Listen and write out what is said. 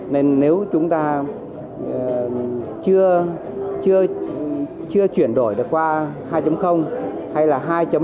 nên nếu chúng ta chưa chuyển đổi được qua hai hay là hai